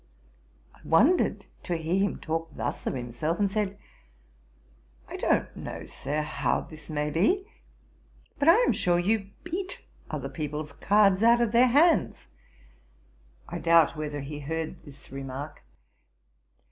I wondered to hear him talk thus of himself, and said, 'I don't know, Sir, how this may be; but I am sure you beat other people's cards out of their hands.' I doubt whether he heard this remark.